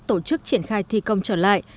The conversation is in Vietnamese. tổ chức triển khai thi công trở lại